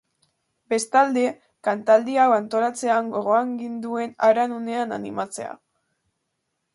Bestalde, kantaldi hau antolatzean, gogoan ginuen haran hunen animatzea.